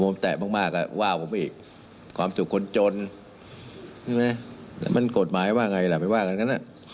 ผมแตะมากว่าผมอีกความสุขคนจนมันกฎหมายว่าไงล่ะไม่ว่ากันกันอ่ะ